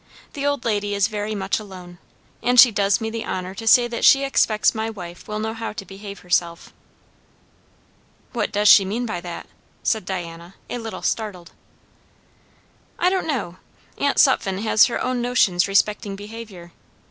The old lady is very much alone. And she does me the honour to say that she expects my wife will know how to behave herself." "What does she mean by that?" said Diana, a little startled. "I don't know! Aunt Sutphen has her own notions respecting behaviour.